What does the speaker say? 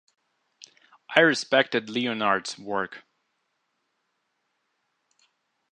I respected Leonard's work.